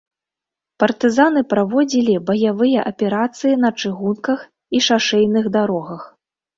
Партызаны праводзілі баявыя аперацыі на чыгунках і шашэйных дарогах.